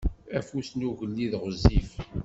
Afus n ugellid ɣezzif.